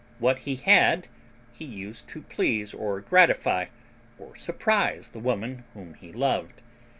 What he had, he used to please or gratify or surprise the woman whom he loved.